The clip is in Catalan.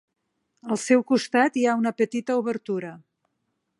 Al seu costat hi ha una petita obertura.